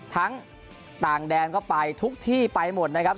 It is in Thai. ต่างแดนก็ไปทุกที่ไปหมดนะครับ